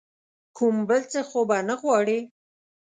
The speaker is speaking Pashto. کوم بل څه خو به نه غواړې ؟